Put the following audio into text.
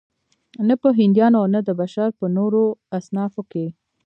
نه په هندیانو او نه د بشر په نورو اصنافو کې.